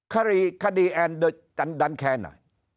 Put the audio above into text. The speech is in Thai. คดีแอนดันแคน่ะ